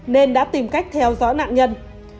nên đã tìm cách theo dõi nạn nhân